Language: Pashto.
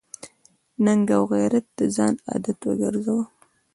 ننګ او غیرت د ځان عادت وګرځوه.